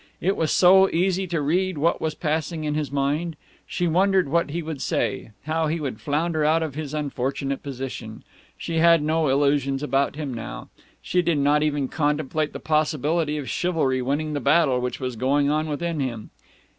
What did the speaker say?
It was so easy to read what was passing in his mind. She wondered what he would say, how he would flounder out of his unfortunate position. She had no illusions about him now. She did not even contemplate the possibility of chivalry winning the battle which was going on within him.